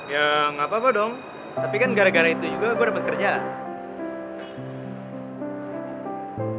ya gapapa dong tapi kan gara gara itu juga gua dapet kerjaan